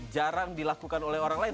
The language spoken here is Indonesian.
jarang dilakukan oleh orang lain